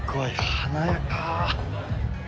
華やか。